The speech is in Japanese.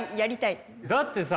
だってさ